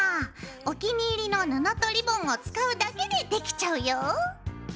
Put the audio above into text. お気に入りの布とリボンを使うだけでできちゃうよ。